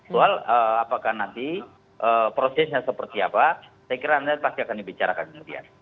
soal apakah nanti prosesnya seperti apa saya kira nanti pasti akan dibicarakan kemudian